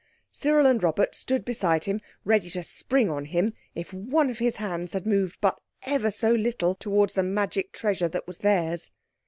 Cyril and Robert stood beside him, ready to spring on him if one of his hands had moved but ever so little towards the magic treasure that was theirs.